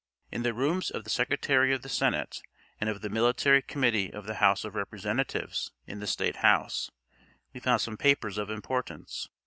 In the rooms of the Secretary of the Senate and of the Military Committee of the House of Representatives in the State House we found some papers of importance.